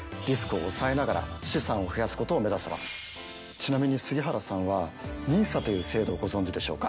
ちなみに杉原さんは「ＮＩＳＡ」という制度をご存じでしょうか。